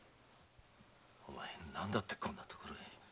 お前何だってこんな所へ。